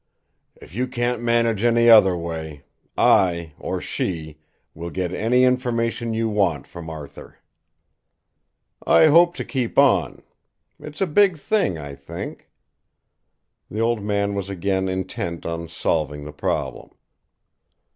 "If you can't manage any other way, I or she will get any information you want from Arthur." "I hope to keep on. It's a big thing, I think." The old man was again intent on solving the problem.